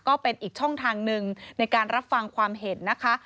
ก็เป็นอีกช่องทางหนึ่งในการรับฟังความเห็นนะคะ